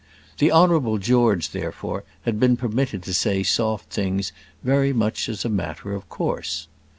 The Honourable George, therefore, had been permitted to say soft things very much as a matter of course.